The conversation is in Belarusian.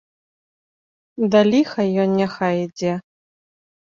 Да ліха ён няхай ідзе.